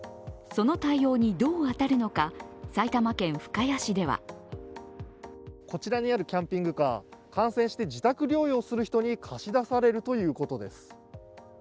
その対応にどう当たるのか、埼玉県深谷市ではこちらにあるキャンピングカー、感染して自宅療養の人に貸し出されるということです。